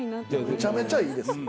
めちゃめちゃええですよ。